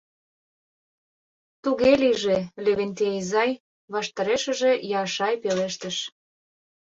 — Туге лийже, Левентей изай. — ваштарешыже Яшай пелештыш.